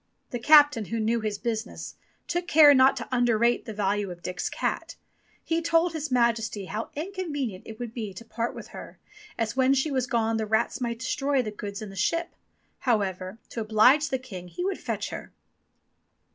The captain who knew his business, took care not to underrate the value of Dick's cat. He told His Majesty how inconvenient it would be to part with her, as when she was gone the rats might destroy the goods in the ship ; however, to oblige the king, he would fetch her.